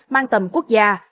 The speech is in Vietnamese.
mang tầm quốc gia